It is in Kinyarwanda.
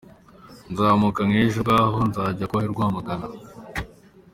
Nzamuka nk’ejo bwaho nzajya kuba i Rwamagana.